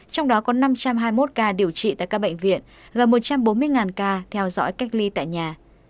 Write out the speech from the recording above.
trong đó có năm trăm hai mươi một ca điều trị tại các bệnh viện gần một trăm bốn mươi ca theo dõi cách ly tại nhà